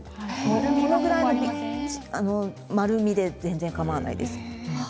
このぐらいの丸みで全然かまわないです。